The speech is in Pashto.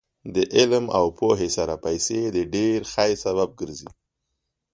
د علم او پوهې سره پیسې د ډېر خیر سبب ګرځي.